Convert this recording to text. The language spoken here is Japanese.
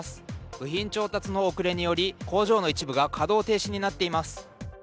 部品調達の遅れにより、工場の一部が稼働停止になっています。